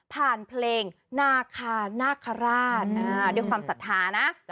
เพลงนาคานาคาราชด้วยความศรัทธานะ